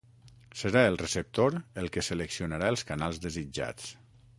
Serà el receptor el que seleccionarà els canals desitjats.